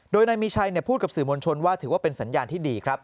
โดยนายมีชัยพูดกับสื่อมวลชนว่าถือว่าเป็นสัญญาณที่ดีครับ